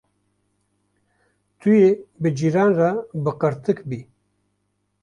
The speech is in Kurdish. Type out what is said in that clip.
Tu yê bi cîran re bi qirtiq bî.